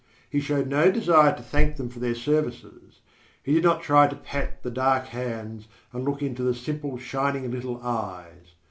He showed no desire to thank them for their services; he did not try to pat the dark hands and look into the simple shining little eyes.